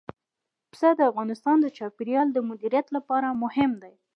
پسه د افغانستان د چاپیریال د مدیریت لپاره مهم دي.